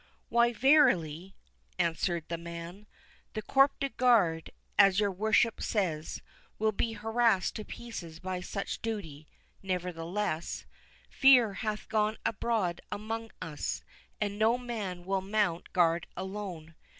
"Why, verily," answered the man, "the corps de garde, as your worship says, will be harassed to pieces by such duty; nevertheless, fear hath gone abroad among us, and no man will mount guard alone.